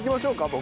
僕。